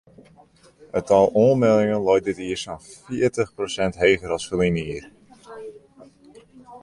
It tal oanmeldingen leit dit jier sa'n fjirtich prosint heger as ferline jier.